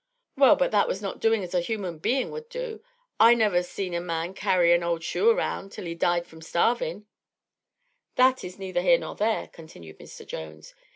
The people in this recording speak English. "Well, but that was not doing as a human being would do. I never seen a man carry an old shoe around till he died from starvin'." "That is neither here nor there," continued Mr. Jones.